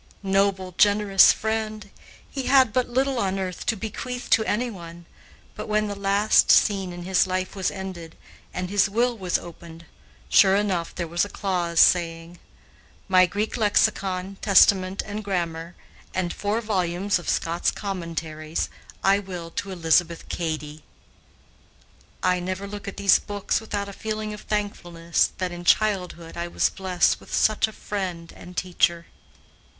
Noble, generous friend! He had but little on earth to bequeath to anyone, but when the last scene in his life was ended, and his will was opened, sure enough there was a clause saying: "My Greek lexicon, Testament, and grammar, and four volumes of Scott's commentaries, I will to Elizabeth Cady." I never look at these books without a feeling of thankfulness that in childhood I was blessed with such a friend and teacher.